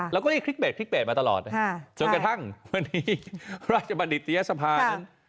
เราก็ได้คลิกแบดมาตลอดจนกระทั่งวันนี้ราชบัณฑิตริยสัพพานี่